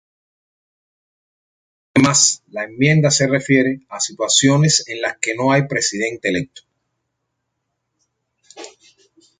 Además, la enmienda se refiere a situaciones en las que no hay Presidente electo.